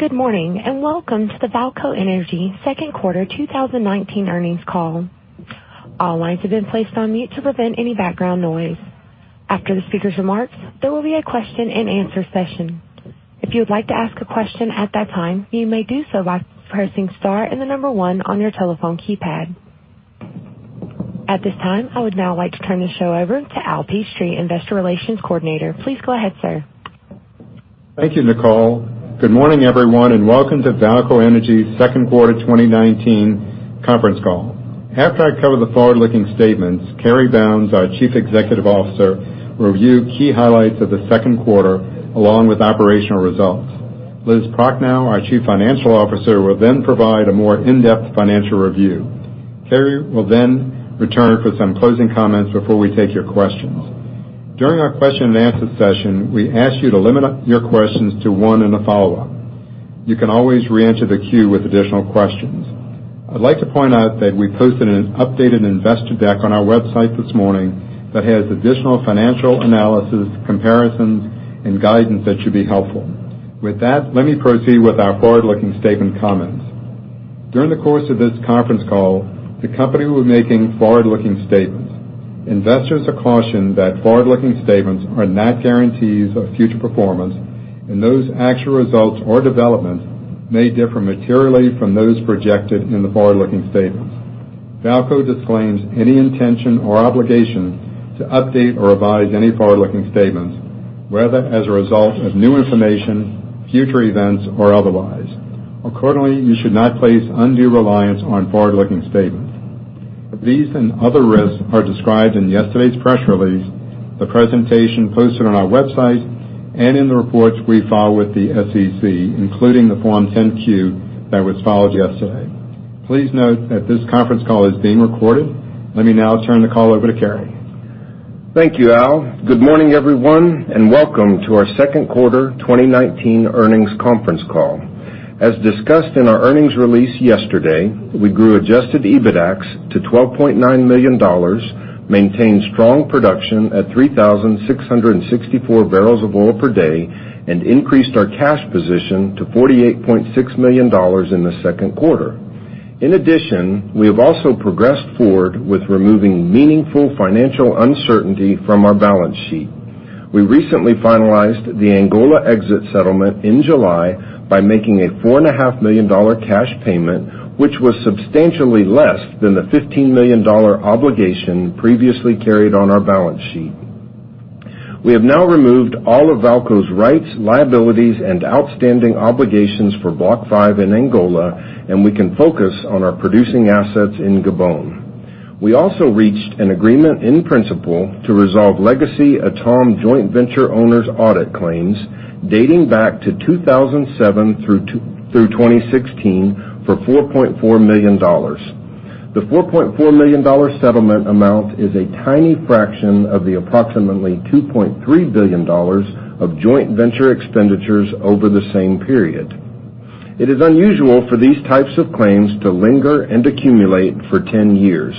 Good morning, and welcome to the VAALCO Energy second quarter 2019 earnings call. All lines have been placed on mute to prevent any background noise. After the speaker's remarks, there will be a question and answer session. If you would like to ask a question at that time, you may do so by pressing star and the number 1 on your telephone keypad. At this time, I would now like to turn the show over to Al Petrie, Investor Relations Coordinator. Please go ahead, sir. Thank you, Nicole. Good morning, everyone, and welcome to VAALCO Energy second quarter 2019 conference call. After I cover the forward-looking statements, Cary Bounds, our Chief Executive Officer, will review key highlights of the second quarter, along with operational results. Elizabeth Prochnow, our Chief Financial Officer, will then provide a more in-depth financial review. Cary will then return for some closing comments before we take your questions. During our question and answer session, we ask you to limit your questions to one and a follow-up. You can always reenter the queue with additional questions. I'd like to point out that we posted an updated investor deck on our website this morning that has additional financial analysis, comparisons, and guidance that should be helpful. With that, let me proceed with our forward-looking statement comments. During the course of this conference call, the company will be making forward-looking statements. Investors are cautioned that forward-looking statements are not guarantees of future performance, and those actual results or developments may differ materially from those projected in the forward-looking statements. VAALCO disclaims any intention or obligation to update or revise any forward-looking statements, whether as a result of new information, future events, or otherwise. Accordingly, you should not place undue reliance on forward-looking statements. These and other risks are described in yesterday's press release, the presentation posted on our website, and in the reports we file with the SEC, including the Form 10-Q that was filed yesterday. Please note that this conference call is being recorded. Let me now turn the call over to Cary. Thank you, Al. Good morning, everyone, and welcome to our second quarter 2019 earnings conference call. As discussed in our earnings release yesterday, we grew adjusted EBITDAX to $12.9 million, maintained strong production at 3,664 barrels of oil per day, and increased our cash position to $48.6 million in the second quarter. We have also progressed forward with removing meaningful financial uncertainty from our balance sheet. We recently finalized the Angola exit settlement in July by making a $4.5 million cash payment, which was substantially less than the $15 million obligation previously carried on our balance sheet. We have now removed all of VAALCO's rights, liabilities, and outstanding obligations for Block 5 in Angola, and we can focus on our producing assets in Gabon. We also reached an agreement in principle to resolve legacy Etame Joint Venture owners' audit claims dating back to 2007 through 2016 for $4.4 million. The $4.4 million settlement amount is a tiny fraction of the approximately $2.3 billion of joint venture expenditures over the same period. It is unusual for these types of claims to linger and accumulate for 10 years.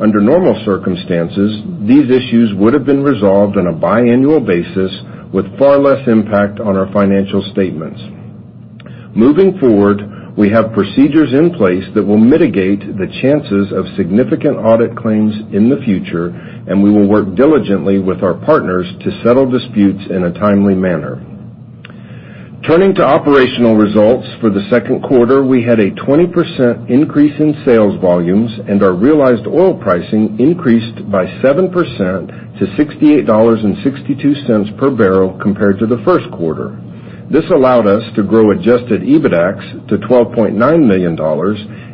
Under normal circumstances, these issues would have been resolved on a biannual basis with far less impact on our financial statements. Moving forward, we have procedures in place that will mitigate the chances of significant audit claims in the future, and we will work diligently with our partners to settle disputes in a timely manner. Turning to operational results for the second quarter, we had a 20% increase in sales volumes, and our realized oil pricing increased by 7% to $68.62 per barrel compared to the first quarter. This allowed us to grow adjusted EBITDAX to $12.9 million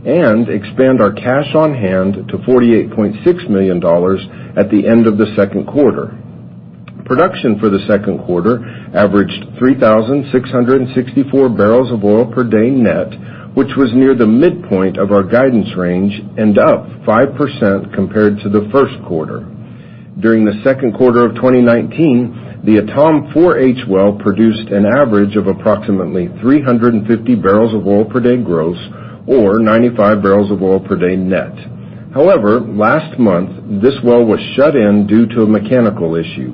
and expand our cash on hand to $48.6 million at the end of the second quarter. Production for the second quarter averaged 3,664 barrels of oil per day net, which was near the midpoint of our guidance range and up 5% compared to the first quarter. During the second quarter of 2019, the Etame 4H well produced an average of approximately 350 barrels of oil per day gross or 95 barrels of oil per day net. However, last month, this well was shut in due to a mechanical issue.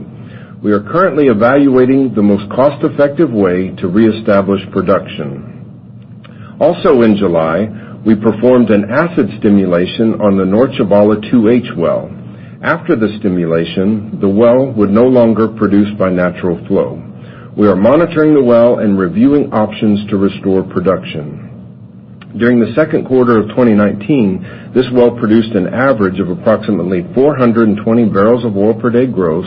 We are currently evaluating the most cost-effective way to reestablish production. Also in July, we performed an acid stimulation on the North Tchibala 2H well. After the stimulation, the well would no longer produce by natural flow. We are monitoring the well and reviewing options to restore production. During the second quarter of 2019, this well produced an average of approximately 420 barrels of oil per day gross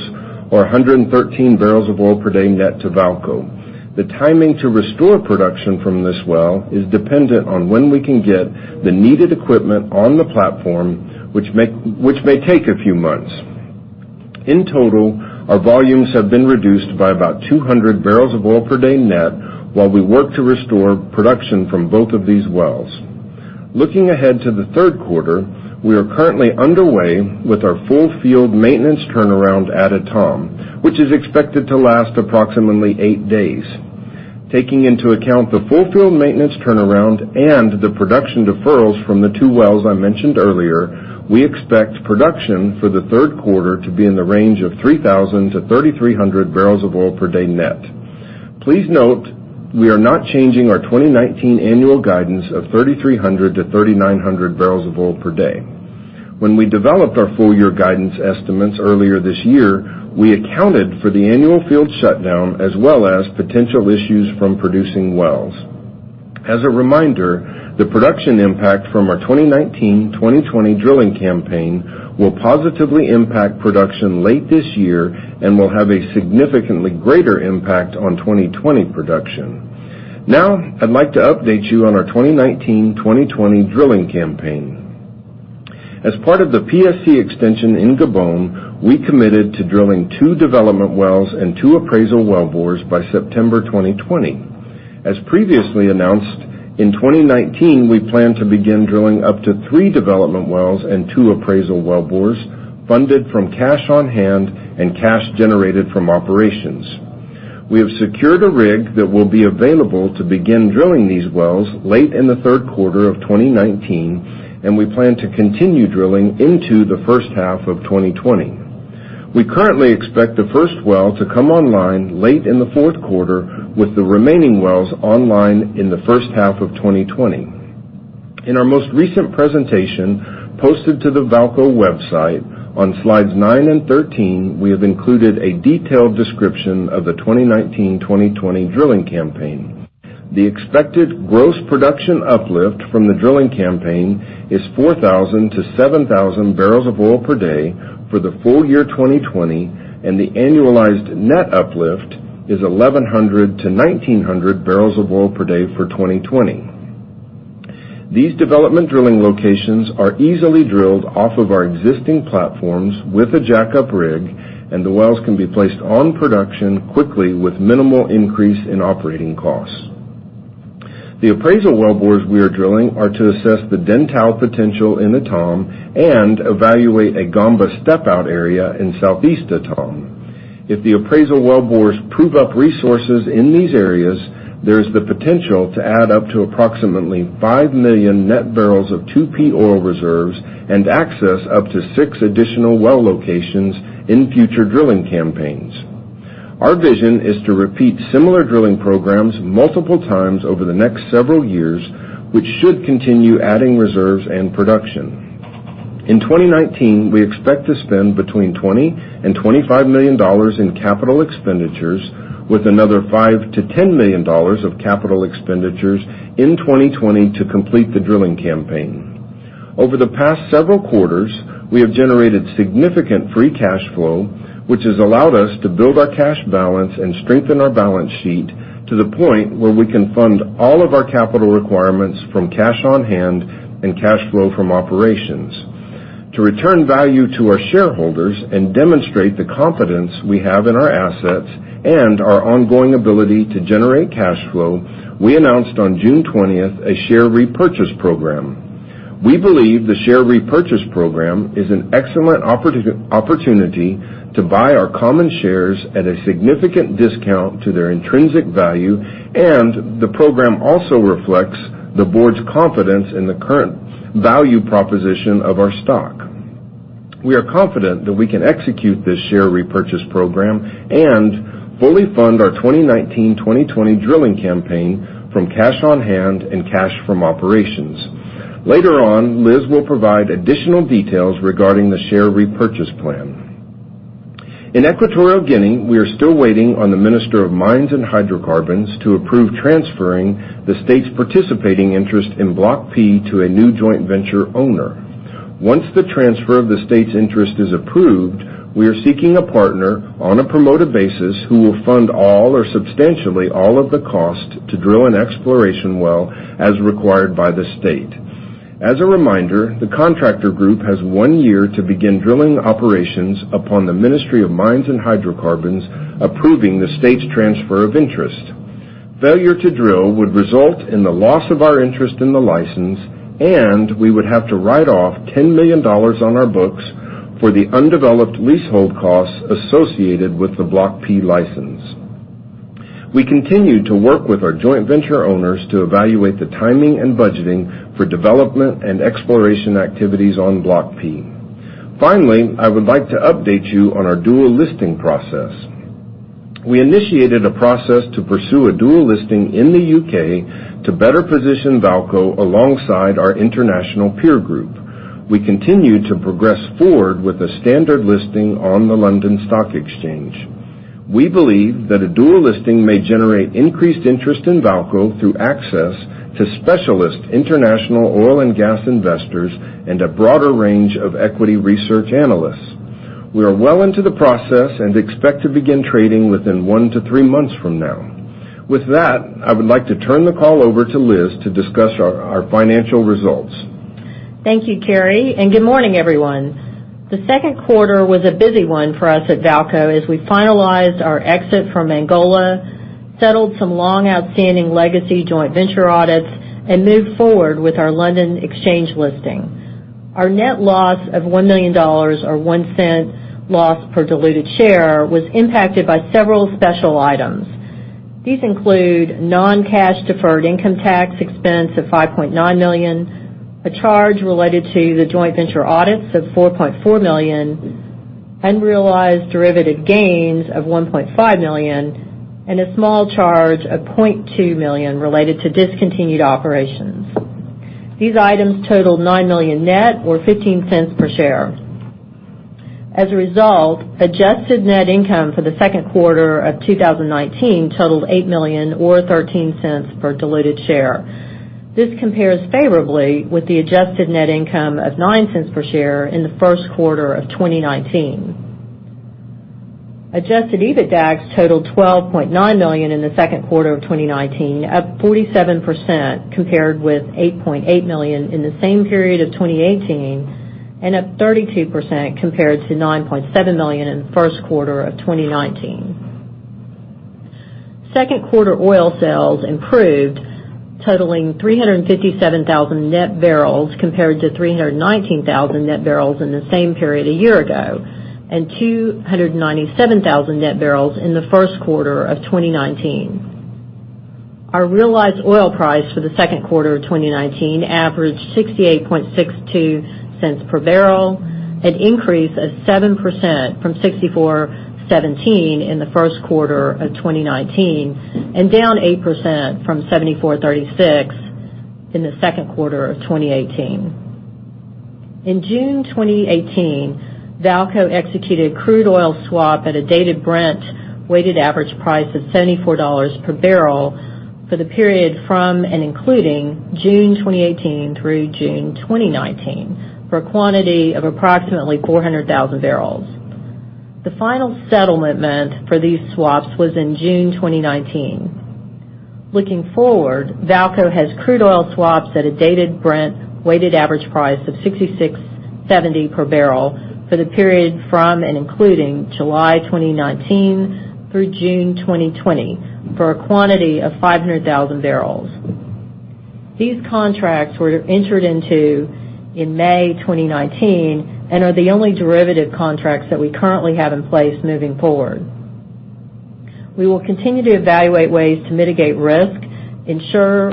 or 113 barrels of oil per day net to VAALCO. The timing to restore production from this well is dependent on when we can get the needed equipment on the platform, which may take a few months. In total, our volumes have been reduced by about 200 barrels of oil per day net while we work to restore production from both of these wells. Looking ahead to the third quarter, we are currently underway with our full field maintenance turnaround at Etame, which is expected to last approximately eight days. Taking into account the full field maintenance turnaround and the production deferrals from the two wells I mentioned earlier, we expect production for the third quarter to be in the range of 3,000-3,300 barrels of oil per day net. Please note we are not changing our 2019 annual guidance of 3,300-3,900 barrels of oil per day. When we developed our full year guidance estimates earlier this year, we accounted for the annual field shutdown as well as potential issues from producing wells. As a reminder, the production impact from our 2019-2020 drilling campaign will positively impact production late this year and will have a significantly greater impact on 2020 production. I'd like to update you on our 2019-2020 drilling campaign. As part of the PSC extension in Gabon, we committed to drilling two development wells and two appraisal wellbores by September 2020. As previously announced, in 2019, we plan to begin drilling up to three development wells and two appraisal wellbores funded from cash on hand and cash generated from operations. We have secured a rig that will be available to begin drilling these wells late in the third quarter of 2019, and we plan to continue drilling into the first half of 2020. We currently expect the first well to come online late in the fourth quarter with the remaining wells online in the first half of 2020. In our most recent presentation, posted to the VAALCO website on slides nine and 13, we have included a detailed description of the 2019-2020 drilling campaign. The expected gross production uplift from the drilling campaign is 4,000-7,000 barrels of oil per day for the full year 2020, and the annualized net uplift is 1,100-1,900 barrels of oil per day for 2020. These development drilling locations are easily drilled off of our existing platforms with a jackup rig, and the wells can be placed on production quickly with minimal increase in operating costs. The appraisal wellbores we are drilling are to assess the Dentale potential in Etame and evaluate a Gamba step-out area in southeast Etame. If the appraisal wellbores prove up resources in these areas, there is the potential to add up to approximately 5 million net barrels of 2P oil reserves and access up to six additional well locations in future drilling campaigns. Our vision is to repeat similar drilling programs multiple times over the next several years, which should continue adding reserves and production. In 2019, we expect to spend between $20 million and $25 million in capital expenditures with another $5 million-$10 million of capital expenditures in 2020 to complete the drilling campaign. Over the past several quarters, we have generated significant free cash flow, which has allowed us to build our cash balance and strengthen our balance sheet to the point where we can fund all of our capital requirements from cash on hand and cash flow from operations. To return value to our shareholders and demonstrate the confidence we have in our assets and our ongoing ability to generate cash flow, we announced on June 20th a share repurchase program. We believe the Share Repurchase Program is an excellent opportunity to buy our common shares at a significant discount to their intrinsic value. The program also reflects the board's confidence in the current value proposition of our stock. We are confident that we can execute this Share Repurchase Program and fully fund our 2019-2020 drilling campaign from cash on hand and cash from operations. Later on, Liz will provide additional details regarding the Share Repurchase Plan. In Equatorial Guinea, we are still waiting on the Minister of Mines and Hydrocarbons to approve transferring the state's participating interest in Block P to a new joint venture owner. Once the transfer of the state's interest is approved, we are seeking a partner on a promoter basis who will fund all or substantially all of the cost to drill an exploration well as required by the state. As a reminder, the contractor group has one year to begin drilling operations upon the Ministry of Mines and Hydrocarbons approving the state's transfer of interest. Failure to drill would result in the loss of our interest in the license, and we would have to write off $10 million on our books for the undeveloped leasehold costs associated with the Block P license. We continue to work with our joint venture owners to evaluate the timing and budgeting for development and exploration activities on Block P. I would like to update you on our dual listing process. We initiated a process to pursue a dual listing in the U.K. to better position VAALCO alongside our international peer group. We continue to progress forward with a standard listing on the London Stock Exchange. We believe that a dual listing may generate increased interest in VAALCO Energy through access to specialist international oil and gas investors and a broader range of equity research analysts. We are well into the process and expect to begin trading within one to three months from now. With that, I would like to turn the call over to Liz to discuss our financial results. Thank you, Cary. Good morning, everyone. The second quarter was a busy one for us at VAALCO as we finalized our exit from Angola, settled some long-outstanding legacy joint venture audits, and moved forward with our London Exchange listing. Our net loss of $1 million, or $0.01 loss per diluted share, was impacted by several special items. These include non-cash deferred income tax expense of $5.9 million, a charge related to the joint venture audits of $4.4 million. Unrealized derivative gains of $1.5 million, and a small charge of $0.2 million related to discontinued operations. These items totaled $9 million net or $0.15 per share. Adjusted net income for the second quarter of 2019 totaled $8 million or $0.13 per diluted share. This compares favorably with the adjusted net income of $0.09 per share in the first quarter of 2019. Adjusted EBITDA totaled $12.9 million in the second quarter of 2019, up 47% compared with $8.8 million in the same period of 2018, and up 32% compared to $9.7 million in the first quarter of 2019. Second quarter oil sales improved, totaling 357,000 net barrels compared to 319,000 net barrels in the same period a year ago, and 297,000 net barrels in the first quarter of 2019. Our realized oil price for the second quarter of 2019 averaged $0.6862 per barrel, an increase of 7% from $0.6417 in the first quarter of 2019, and down 8% from $0.7436 in the second quarter of 2018. In June 2018, VAALCO executed a crude oil swap at a dated Brent weighted average price of $74 per barrel for the period from and including June 2018 through June 2019 for a quantity of approximately 400,000 barrels. The final settlement for these swaps was in June 2019. Looking forward, VAALCO has crude oil swaps at a dated Brent weighted average price of $66.70 per barrel for the period from and including July 2019 through June 2020 for a quantity of 500,000 barrels. These contracts were entered into in May 2019 and are the only derivative contracts that we currently have in place moving forward. We will continue to evaluate ways to mitigate risk, ensure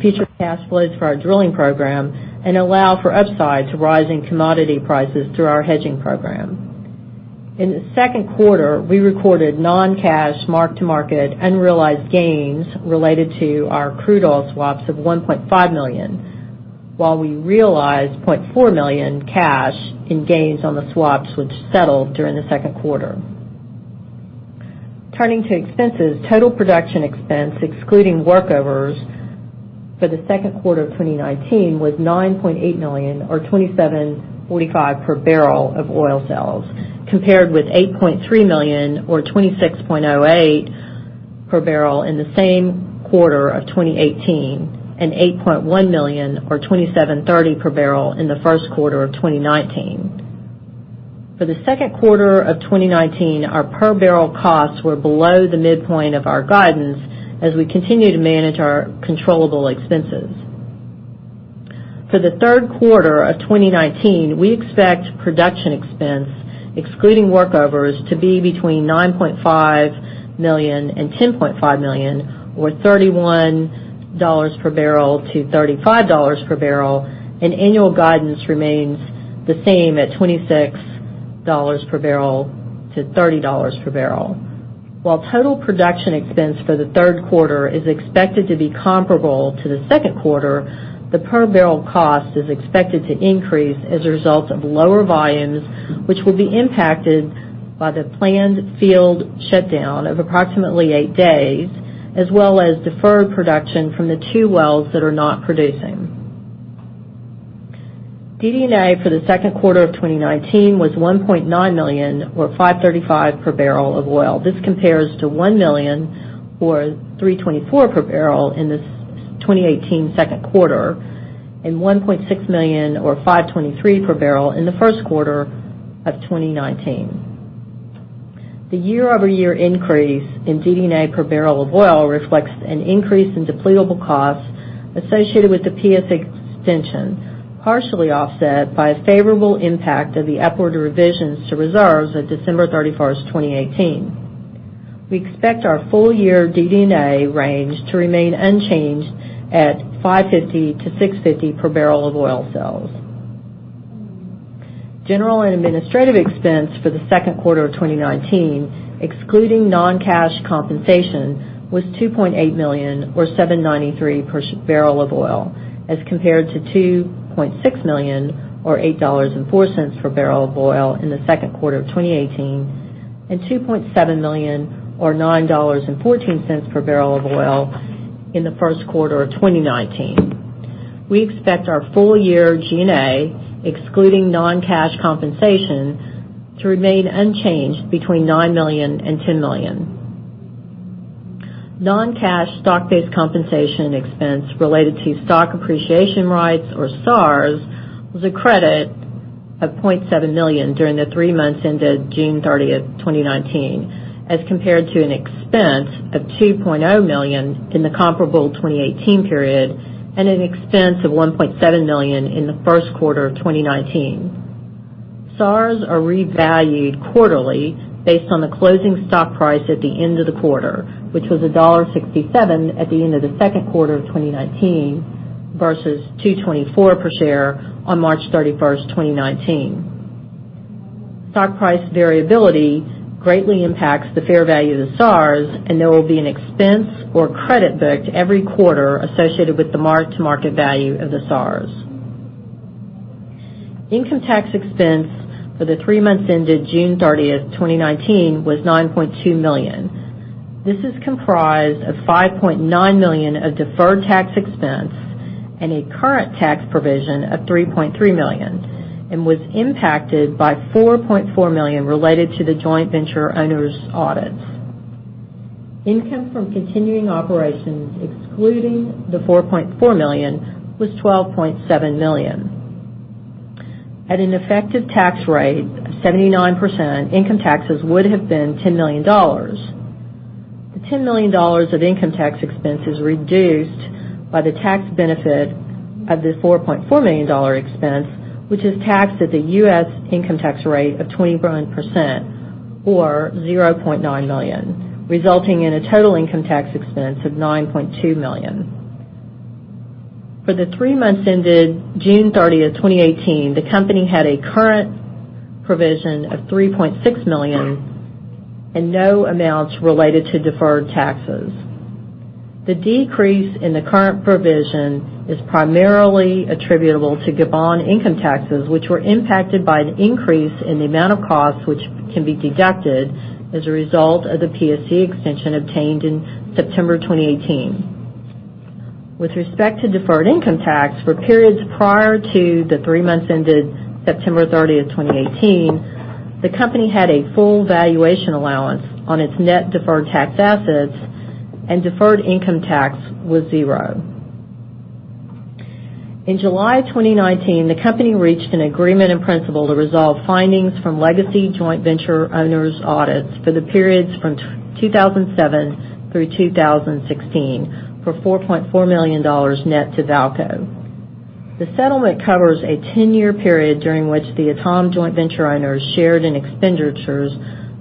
future cash flows for our drilling program, and allow for upside to rising commodity prices through our hedging program. In the second quarter, we recorded non-cash mark-to-market unrealized gains related to our crude oil swaps of $1.5 million. While we realized $0.4 million cash in gains on the swaps, which settled during the second quarter. Turning to expenses, total production expense excluding workovers for the second quarter of 2019 was $9.8 million or $27.45 per barrel of oil sales compared with $8.3 million, or $26.08 per barrel in the same quarter of 2018, and $8.1 million or $27.30 per barrel in the first quarter of 2019. For the second quarter of 2019, our per barrel costs were below the midpoint of our guidance as we continue to manage our controllable expenses. For the third quarter of 2019, we expect production expense excluding workovers to be between $9.5 million and $10.5 million, or $31 per barrel-$35 per barrel, and annual guidance remains the same at $26 per barrel-$30 per barrel. While total production expense for the third quarter is expected to be comparable to the second quarter, the per barrel cost is expected to increase as a result of lower volumes, which will be impacted by the planned field shutdown of approximately eight days, as well as deferred production from the two wells that are not producing. DD&A for the second quarter of 2019 was $1.9 million or $5.35 per barrel of oil. This compares to $1 million or $3.24 per barrel in the 2018 second quarter, and $1.6 million or $5.23 per barrel in the first quarter of 2019. The year-over-year increase in DD&A per barrel of oil reflects an increase in depletable costs associated with the PSC extension, partially offset by a favorable impact of the upward revisions to reserves of December 31st, 2018. We expect our full year DD&A range to remain unchanged at $5.50-$6.50 per barrel of oil sales. General and administrative expense for the second quarter of 2019, excluding non-cash compensation, was $2.8 million or $7.93 per barrel of oil, as compared to $2.6 million or $8.04 per barrel of oil in the second quarter of 2018, and $2.7 million or $9.14 per barrel of oil in the first quarter of 2019. We expect our full year G&A, excluding non-cash compensation, to remain unchanged between $9 million and $10 million. Non-cash stock-based compensation expense related to stock appreciation rights, or SARs, was a credit of $0.7 million during the three months ended June 30th, 2019, as compared to an expense of $2.0 million in the comparable 2018 period, and an expense of $1.7 million in the first quarter of 2019. SARs are revalued quarterly based on the closing stock price at the end of the quarter, which was $1.67 at the end of the second quarter of 2019 versus $2.24 per share on March 31st, 2019. Stock price variability greatly impacts the fair value of the SARs, and there will be an expense or credit booked every quarter associated with the mark-to-market value of the SARs. Income tax expense for the three months ended June 30th, 2019 was $9.2 million. This is comprised of $5.9 million of deferred tax expense and a current tax provision of $3.3 million, and was impacted by $4.4 million related to the joint venture owners' audits. Income from continuing operations, excluding the $4.4 million, was $12.7 million. At an effective tax rate of 79%, income taxes would have been $10 million. The $10 million of income tax expense is reduced by the tax benefit of the $4.4 million expense, which is taxed at the U.S. income tax rate of 21%, or $0.9 million, resulting in a total income tax expense of $9.2 million. For the three months ended June 30th, 2018, the company had a current provision of $3.6 million and no amounts related to deferred taxes. The decrease in the current provision is primarily attributable to Gabon income taxes, which were impacted by an increase in the amount of costs which can be deducted as a result of the PSC extension obtained in September 2018. With respect to deferred income tax for periods prior to the three months ended September 30th, 2018, the company had a full valuation allowance on its net deferred tax assets and deferred income tax was zero. In July 2019, the company reached an agreement in principle to resolve findings from legacy joint venture owners audits for the periods from 2007 through 2016 for $4.4 million net to VAALCO. The settlement covers a 10-year period during which the Etame Joint Venture owners shared in expenditures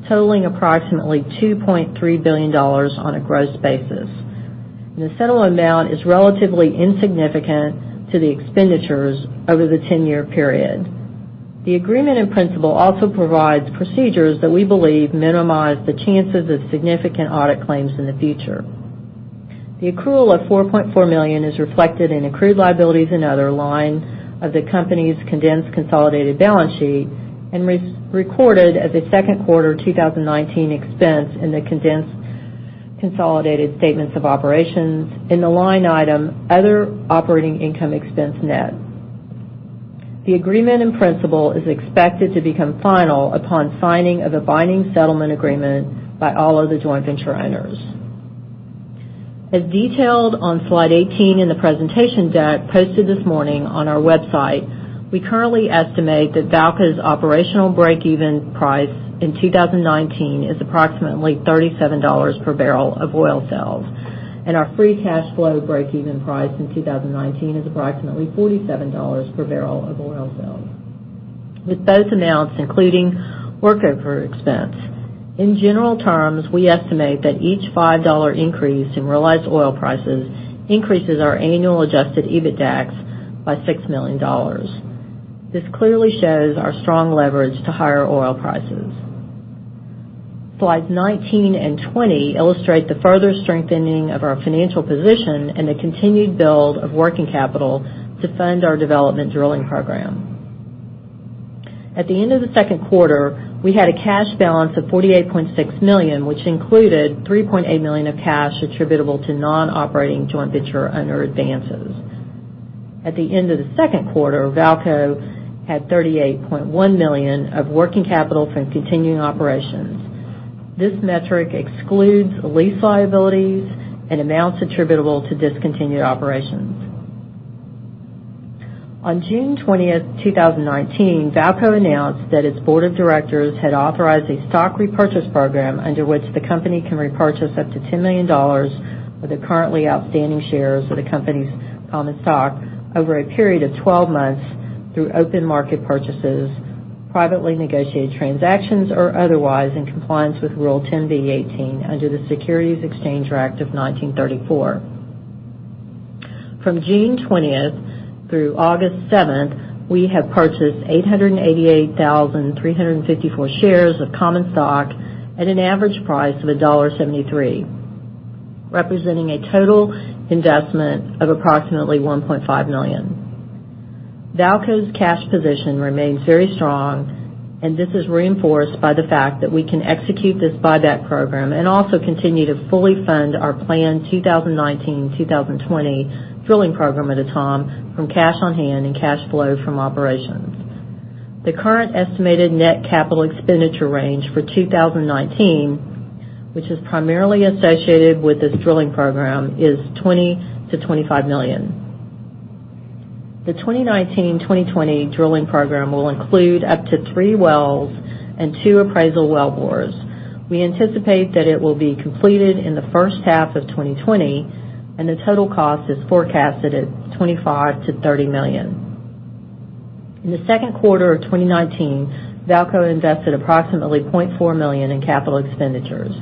totaling approximately $2.3 billion on a gross basis. The settlement amount is relatively insignificant to the expenditures over the 10-year period. The agreement in principle also provides procedures that we believe minimize the chances of significant audit claims in the future. The accrual of $4.4 million is reflected in accrued liabilities and other lines of the company's condensed consolidated balance sheet and was recorded as a second quarter 2019 expense in the condensed consolidated statements of operations in the line item other operating income expense net. The agreement in principle is expected to become final upon signing of the binding settlement agreement by all of the joint venture owners. As detailed on slide 18 in the presentation deck posted this morning on our website, we currently estimate that VAALCO's operational break-even price in 2019 is approximately $37 per barrel of oil sales, and our free cash flow break-even price in 2019 is approximately $47 per barrel of oil sales, with both amounts including workover expense. In general terms, we estimate that each $5 increase in realized oil prices increases our annual adjusted EBITDAX by $6 million. This clearly shows our strong leverage to higher oil prices. Slides 19 and 20 illustrate the further strengthening of our financial position and the continued build of working capital to fund our development drilling program. At the end of the second quarter, we had a cash balance of $48.6 million, which included $3.8 million of cash attributable to non-operating joint venture owner advances. At the end of the second quarter, VAALCO had $38.1 million of working capital from continuing operations. This metric excludes lease liabilities and amounts attributable to discontinued operations. On June 20th, 2019, VAALCO announced that its board of directors had authorized a stock repurchase program under which the company can repurchase up to $10 million of the currently outstanding shares of the company's common stock over a period of 12 months through open market purchases, privately negotiated transactions, or otherwise, in compliance with Rule 10b-18 under the Securities Exchange Act of 1934. From June 20th through August 7th, we have purchased 888,354 shares of common stock at an average price of $1.73, representing a total investment of approximately $1.5 million. VAALCO's cash position remains very strong, and this is reinforced by the fact that we can execute this buyback program and also continue to fully fund our planned 2019, 2020 drilling program at Etame from cash on hand and cash flow from operations. The current estimated net capital expenditure range for 2019, which is primarily associated with this drilling program, is $20 million-$25 million. The 2019, 2020 drilling program will include up to three wells and two appraisal well bores. We anticipate that it will be completed in the first half of 2020, and the total cost is forecasted at $25 million-$30 million. In the second quarter of 2019, VAALCO invested approximately $0.4 million in capital expenditures.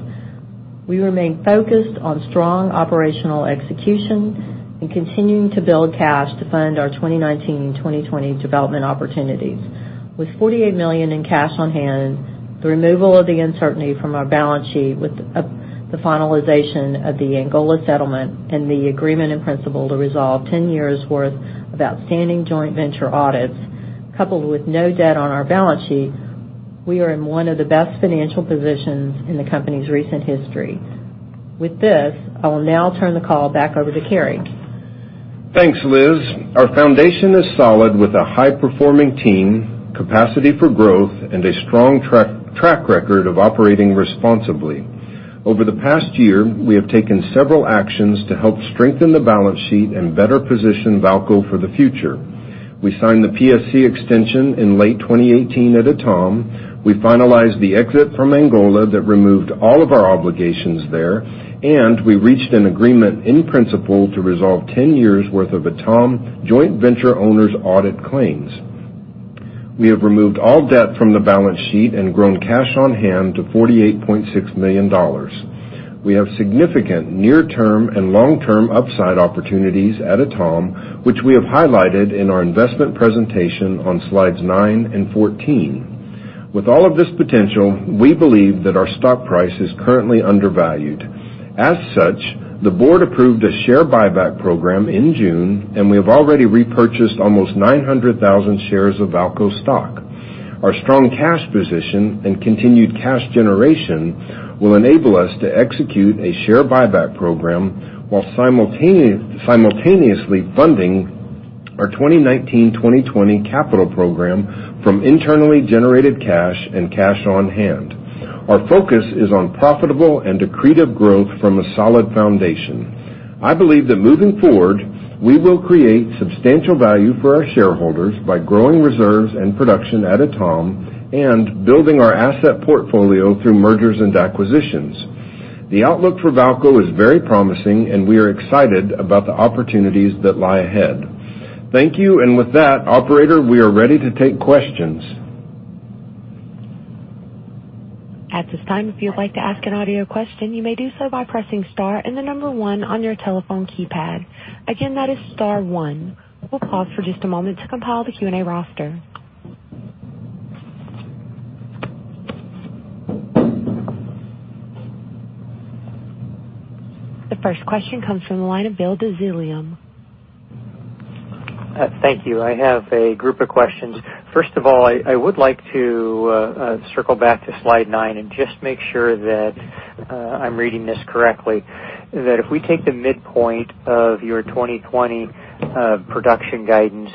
We remain focused on strong operational execution and continuing to build cash to fund our 2019 and 2020 development opportunities. With $48 million in cash on hand, the removal of the uncertainty from our balance sheet with the finalization of the Angola settlement and the agreement in principle to resolve 10 years' worth of outstanding joint venture audits, coupled with no debt on our balance sheet, we are in one of the best financial positions in the company's recent history. With this, I will now turn the call back over to Cary. Thanks, Liz. Our foundation is solid with a high-performing team, capacity for growth, and a strong track record of operating responsibly. Over the past year, we have taken several actions to help strengthen the balance sheet and better position VAALCO for the future. We signed the PSC extension in late 2018 at Etame. We finalized the exit from Angola that removed all of our obligations there, and we reached an agreement in principle to resolve 10 years' worth of Etame Joint Venture owners audit claims. We have removed all debt from the balance sheet and grown cash on hand to $48.6 million. We have significant near-term and long-term upside opportunities at Etame, which we have highlighted in our investment presentation on slides nine and 14. With all of this potential, we believe that our stock price is currently undervalued. As such, the board approved a share buyback program in June, and we have already repurchased almost 900,000 shares of VAALCO stock. Our strong cash position and continued cash generation will enable us to execute a share buyback program while simultaneously funding our 2019, 2020 capital program from internally generated cash and cash on hand. Our focus is on profitable and accretive growth from a solid foundation. I believe that moving forward, we will create substantial value for our shareholders by growing reserves and production at Etame and building our asset portfolio through mergers and acquisitions. The outlook for VAALCO is very promising, and we are excited about the opportunities that lie ahead. Thank you. With that, operator, we are ready to take questions. At this time, if you would like to ask an audio question, you may do so by pressing star and the number one on your telephone keypad. Again, that is star one. We'll pause for just a moment to compile the Q&A roster. The first question comes from the line of William Dezellem. Thank you. I have a group of questions. First of all, I would like to circle back to slide nine and just make sure that I'm reading this correctly, that if we take the midpoint of your 2020 production guidance,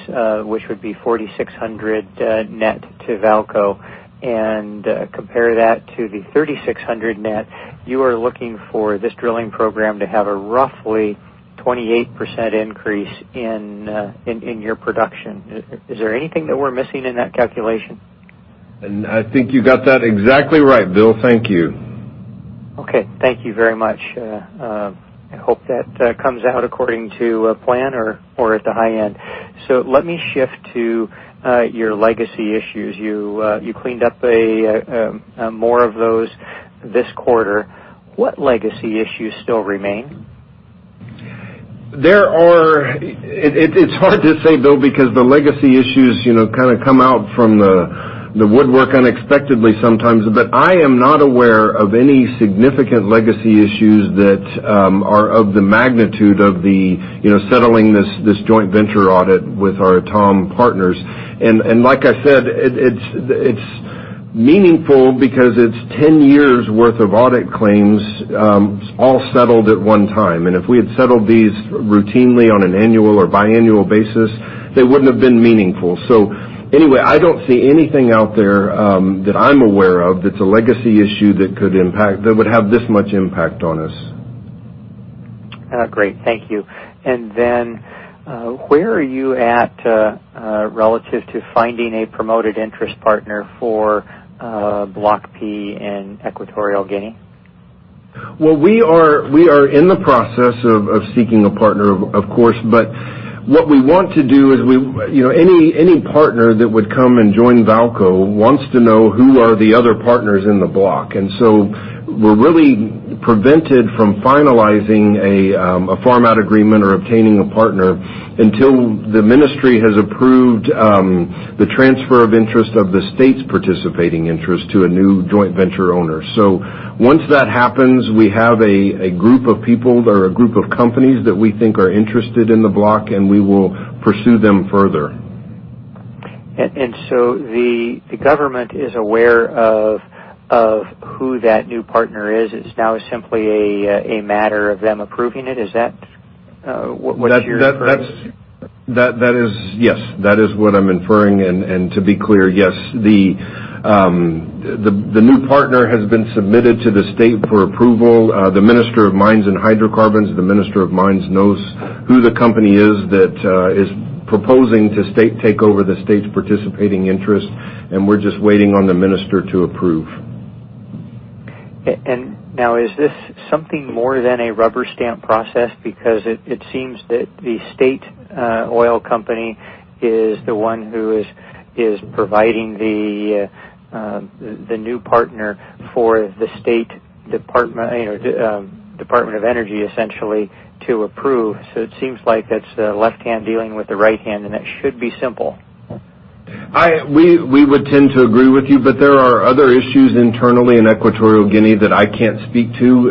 which would be 4,600 net to VAALCO, and compare that to the 3,600 net, you are looking for this drilling program to have a roughly 28% increase in your production. Is there anything that we're missing in that calculation? I think you got that exactly right, Bill. Thank you. Okay. Thank you very much. I hope that comes out according to plan or at the high end. Let me shift to your legacy issues. You cleaned up more of those this quarter. What legacy issues still remain? It's hard to say, Bill, because the legacy issues come out from the woodwork unexpectedly sometimes. I am not aware of any significant legacy issues that are of the magnitude of the settling this joint venture audit with our Etame partners. Like I said, it's meaningful because it's 10 years' worth of audit claims all settled at one time. If we had settled these routinely on an annual or biannual basis, they wouldn't have been meaningful. Anyway, I don't see anything out there that I'm aware of that's a legacy issue that would have this much impact on us. Great. Thank you. Where are you at relative to finding a promoted interest partner for Block P in Equatorial Guinea? Well, we are in the process of seeking a partner, of course. What we want to do is, any partner that would come and join VAALCO wants to know who are the other partners in the block. We're really prevented from finalizing a farm-out agreement or obtaining a partner until the ministry has approved the transfer of interest of the state's participating interest to a new joint venture owner. Once that happens, we have a group of people or a group of companies that we think are interested in the block, and we will pursue them further. The government is aware of who that new partner is. It's now simply a matter of them approving it. Is that what you're inferring? Yes. That is what I'm inferring. To be clear, yes. The new partner has been submitted to the state for approval. The Minister of Mines and Hydrocarbons, the Minister of Mines knows who the company is that is proposing to take over the state's participating interest, and we're just waiting on the Minister to approve. Now, is this something more than a rubber stamp process? It seems that the state oil company is the one who is providing the new partner for the State Department of Energy, essentially, to approve. It seems like that's the left hand dealing with the right hand, and that should be simple. We would tend to agree with you, but there are other issues internally in Equatorial Guinea that I can't speak to.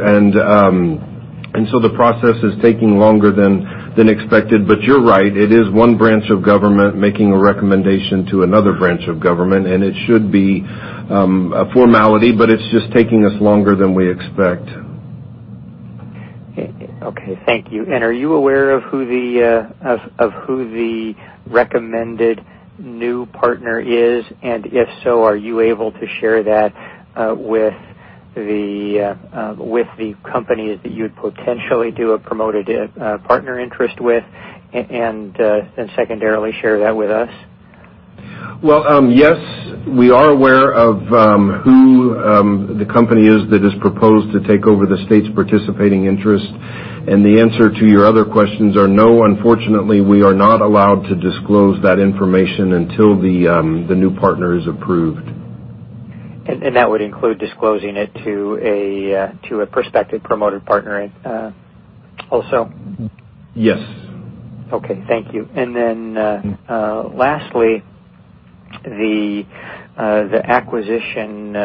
The process is taking longer than expected. You're right, it is one branch of government making a recommendation to another branch of government, and it should be a formality. It's just taking us longer than we expect. Okay. Thank you. Are you aware of who the recommended new partner is? If so, are you able to share that with the companies that you'd potentially do a promoted partner interest with, and secondarily, share that with us? Well, yes, we are aware of who the company is that has proposed to take over the state's participating interest. The answer to your other questions are no. Unfortunately, we are not allowed to disclose that information until the new partner is approved. That would include disclosing it to a prospective promoter partner also? Yes. Okay, thank you. Lastly, the acquisition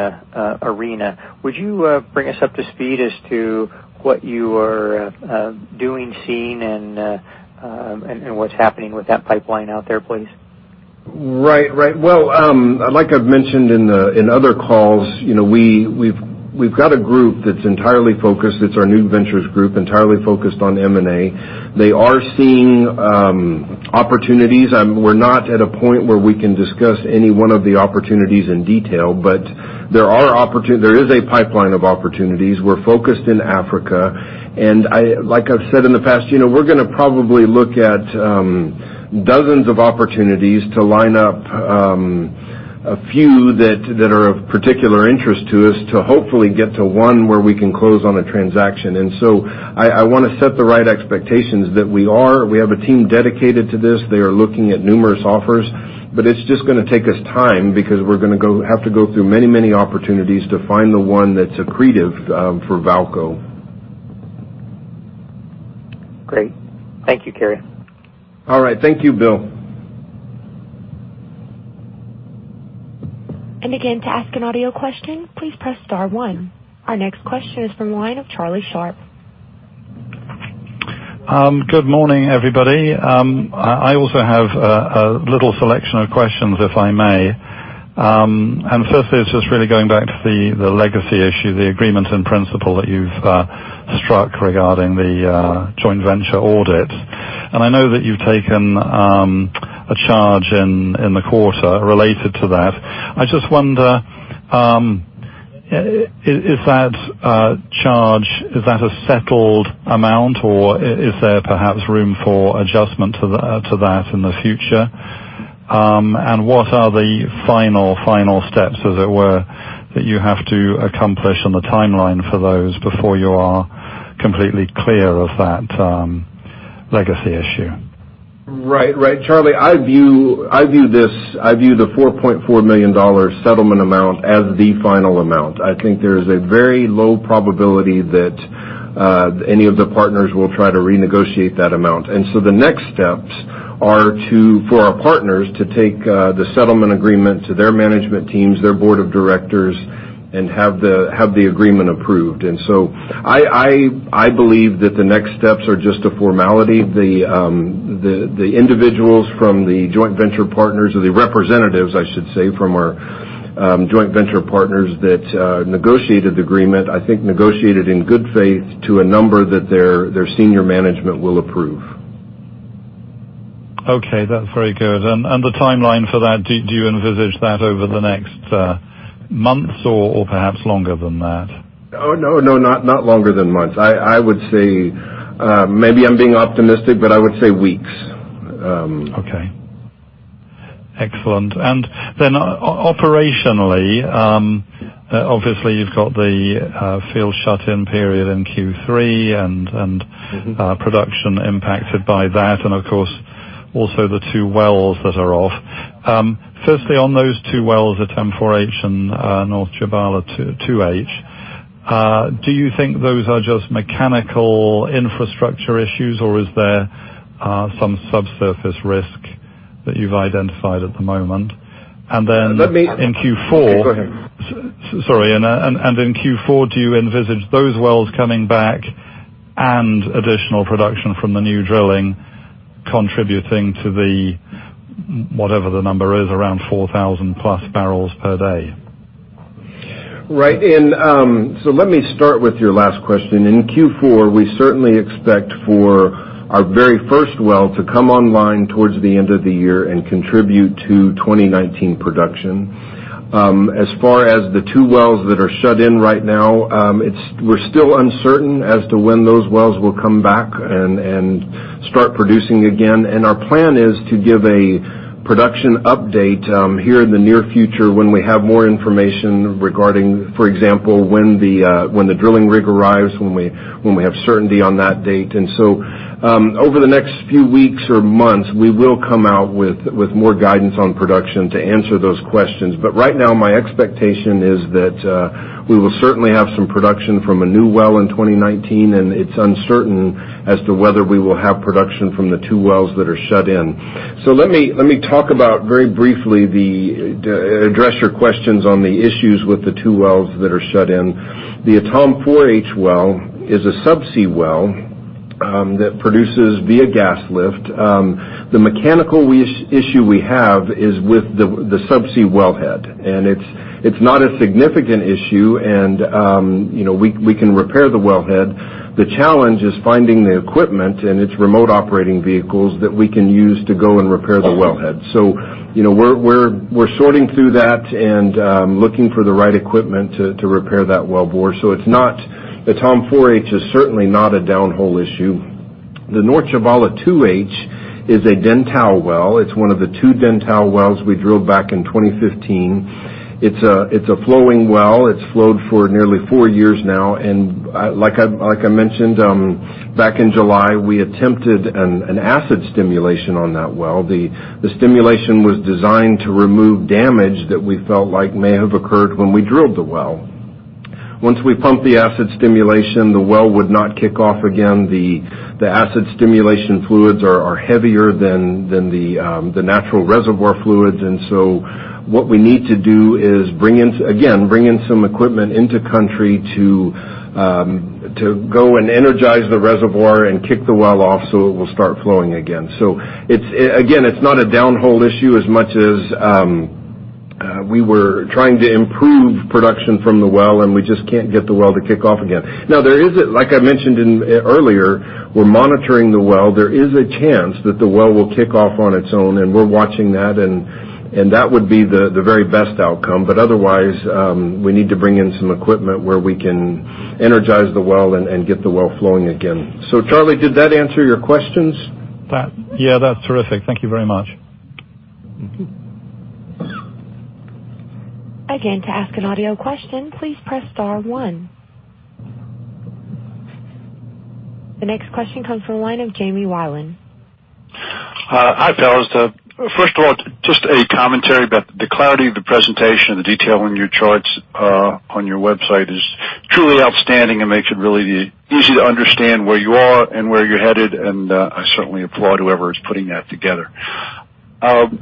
arena, would you bring us up to speed as to what you are doing, seeing, and what's happening with that pipeline out there, please? Right. Well, like I've mentioned in other calls, we've got a group that's entirely focused, it's our new ventures group, entirely focused on M&A. They are seeing opportunities. We're not at a point where we can discuss any one of the opportunities in detail, but there is a pipeline of opportunities. We're focused in Africa, and like I've said in the past, we're going to probably look at dozens of opportunities to line up a few that are of particular interest to us to hopefully get to one where we can close on a transaction. So I want to set the right expectations that we have a team dedicated to this. They are looking at numerous offers, but it's just going to take us time because we're going to have to go through many opportunities to find the one that's accretive for VAALCO. Great. Thank you, Cary. All right. Thank you, Bill. Again, to ask an audio question, please press star one. Our next question is from the line of Charlie Sharp. Good morning, everybody. I also have a little selection of questions, if I may. Firstly, it's just really going back to the legacy issue, the agreement in principle that you've struck regarding the joint venture audit. I know that you've taken a charge in the quarter related to that. I just wonder, is that charge a settled amount, or is there perhaps room for adjustment to that in the future? What are the final steps, as it were, that you have to accomplish on the timeline for those before you are completely clear of that legacy issue? Right. Charlie, I view the $4.4 million settlement amount as the final amount. I think there is a very low probability that any of the partners will try to renegotiate that amount. The next steps are for our partners to take the settlement agreement to their management teams, their board of directors, and have the agreement approved. I believe that the next steps are just a formality. The individuals from the joint venture partners or the representatives, I should say, from our joint venture partners that negotiated the agreement, I think negotiated in good faith to a number that their senior management will approve. Okay, that's very good. The timeline for that, do you envisage that over the next months or perhaps longer than that? No, not longer than months. I would say maybe I'm being optimistic, but I would say weeks. Okay. Excellent. Operationally, obviously you've got the field shut-in period in Q3 and production impacted by that, of course also the two wells that are off. Firstly, on those two wells at Etame 4H and North Tchibala 2H, do you think those are just mechanical infrastructure issues, or is there some subsurface risk that you've identified at the moment? Let me- in Q4. Go ahead. Sorry. In Q4, do you envisage those wells coming back and additional production from the new drilling contributing to the, whatever the number is, around 4,000 plus barrels per day? Let me start with your last question. In Q4, we certainly expect for our very first well to come online towards the end of the year and contribute to 2019 production. As far as the two wells that are shut in right now, we're still uncertain as to when those wells will come back and start producing again. Our plan is to give a production update here in the near future when we have more information regarding, for example, when the drilling rig arrives, when we have certainty on that date. Over the next few weeks or months, we will come out with more guidance on production to answer those questions. Right now, my expectation is that we will certainly have some production from a new well in 2019, and it's uncertain as to whether we will have production from the two wells that are shut in. Let me talk about very briefly address your questions on the issues with the two wells that are shut in. The Etame 4H well is a sub-sea well that produces via gas lift. The mechanical issue we have is with the sub-sea wellhead, and it's not a significant issue. We can repair the wellhead. The challenge is finding the equipment, and it's remote operating vehicles that we can use to go and repair the wellhead. We're sorting through that and looking for the right equipment to repair that wellbore. Etame 4H is certainly not a downhole issue. The North Tchibala 2H is a Dentale well. It's one of the two Dentale wells we drilled back in 2015. It's a flowing well. It's flowed for nearly four years now. Like I mentioned, back in July, we attempted an acid stimulation on that well. The stimulation was designed to remove damage that we felt like may have occurred when we drilled the well. Once we pumped the acid stimulation, the well would not kick off again. What we need to do is, again, bring in some equipment into country to go and energize the reservoir and kick the well off so it will start flowing again. Again, it's not a downhole issue as much as we were trying to improve production from the well, and we just can't get the well to kick off again. Like I mentioned earlier, we're monitoring the well. There is a chance that the well will kick off on its own, and we're watching that, and that would be the very best outcome. Otherwise, we need to bring in some equipment where we can energize the well and get the well flowing again. Charlie, did that answer your questions? Yeah, that's terrific. Thank you very much. Again, to ask an audio question, please press star one. The next question comes from the line of Jamie Whalen. Hi, fellas. First of all, just a commentary about the clarity of the presentation and the detail on your charts on your website is truly outstanding and makes it really easy to understand where you are and where you're headed. I certainly applaud whoever is putting that together.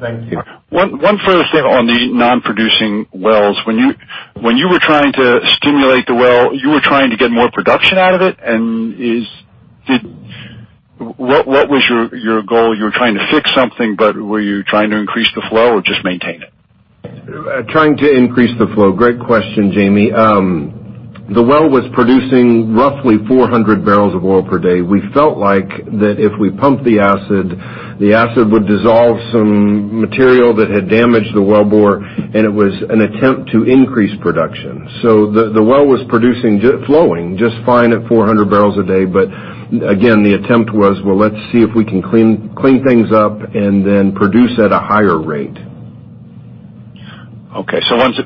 Thank you. One further thing on the non-producing wells. When you were trying to stimulate the well, you were trying to get more production out of it? What was your goal? You were trying to fix something, but were you trying to increase the flow or just maintain it? Trying to increase the flow. Great question, Jamie. The well was producing roughly 400 barrels of oil per day. We felt like that if we pump the acid, the acid would dissolve some material that had damaged the wellbore, and it was an attempt to increase production. The well was flowing just fine at 400 barrels a day, but again, the attempt was, well, let's see if we can clean things up and then produce at a higher rate. Okay. Once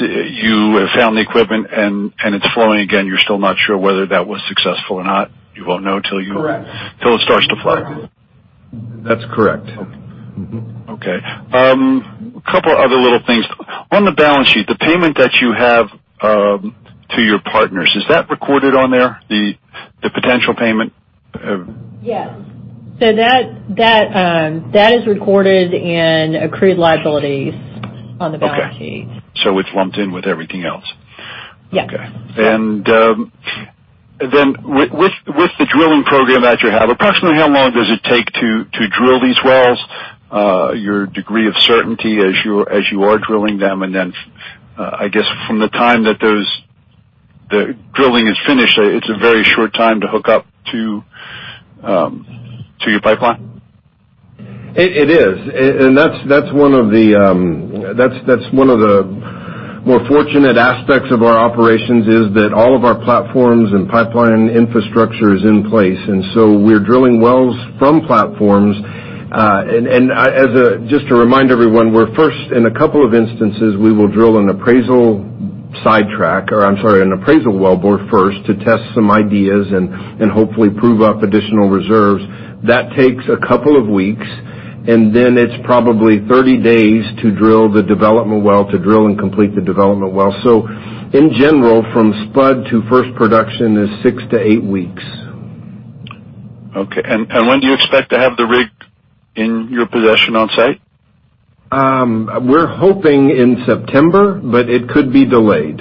you have found the equipment and it's flowing again, you're still not sure whether that was successful or not. You won't know till it starts to flow. That's correct. Okay. A couple other little things. On the balance sheet, the payment that you have to your partners, is that recorded on there, the potential payment? Yes. That is recorded in accrued liabilities on the balance sheet. Okay. It's lumped in with everything else. Yes. Okay. With the drilling program that you have, approximately how long does it take to drill these wells? Your degree of certainty as you are drilling them? I guess from the time that the drilling is finished, it's a very short time to hook up to your pipeline? It is. That's one of the more fortunate aspects of our operations, is that all of our platforms and pipeline infrastructure is in place. We're drilling wells from platforms. Just to remind everyone, in a couple of instances, we will drill an appraisal sidetrack, or I'm sorry, an appraisal well bore first to test some ideas and hopefully prove up additional reserves. That takes a couple of weeks, and then it's probably 30 days to drill and complete the development well. In general, from spud to first production is six to eight weeks. Okay. When do you expect to have the rig in your possession on site? We're hoping in September, but it could be delayed.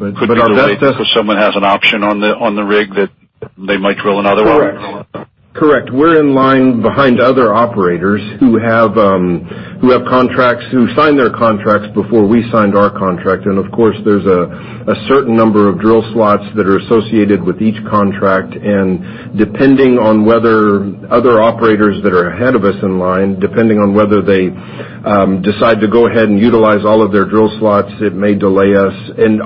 Could be delayed because someone has an option on the rig that they might drill another one? Correct. We're in line behind other operators who signed their contracts before we signed our contract. Of course, there's a certain number of drill slots that are associated with each contract, and depending on whether other operators that are ahead of us in line, depending on whether they decide to go ahead and utilize all of their drill slots, it may delay us.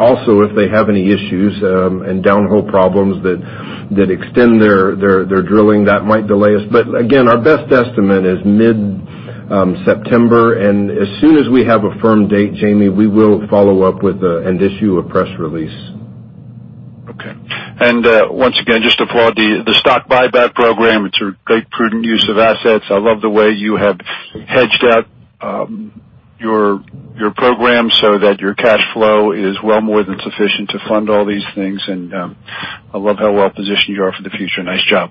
Also if they have any issues and downhole problems that extend their drilling, that might delay us. Again, our best estimate is mid-September, and as soon as we have a firm date, Jamie, we will follow up with and issue a press release. Okay. Once again, just applaud the stock buyback program. It's a great prudent use of assets. I love the way you have hedged out your program so that your cash flow is well more than sufficient to fund all these things. I love how well-positioned you are for the future. Nice job.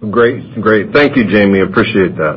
Great. Thank you, Jamie. Appreciate that.